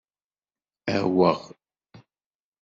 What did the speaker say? Aweɣ!